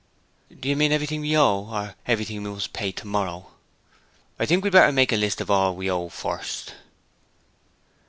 'Do you mean everything we owe, or everything we must pay tomorrow.' 'I think we'd better make a list of all we owe first.'